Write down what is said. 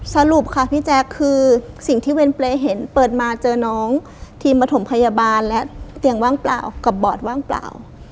สรุปค่ะพี่แจ๊คคือสิ่งที่เวรเปรย์เห็นเปิดมาเจอน้องทีมปฐมพยาบาลและเตียงว่างเปล่ากับบอดว่างเปล่า